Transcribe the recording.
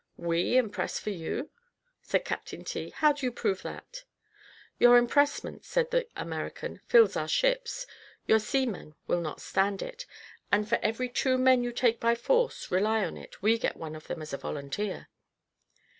"We impress for you?" said Captain T , "how do you prove that?" "Your impressment," said the American, "fills our ships. Your seamen will not stand it; and for every two men you take by force, rely on it, we get one of them as a volunteer."